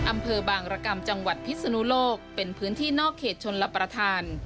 อำเภอบางรกรรมจังหวัดพิศนุโลกเป็นพื้นที่นอกเขตชนรับประทาน